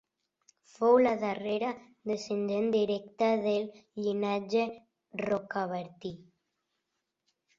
Fou la darrera descendent directa del llinatge Rocabertí.